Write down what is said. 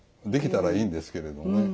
できたらいいんですけれどね。